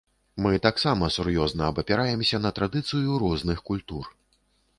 Мы таксама сур'ёзна абапіраемся на традыцыю розных культур.